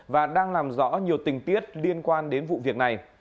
và đang làm rõ nhiều tình tiết liên quan đến vụ việc này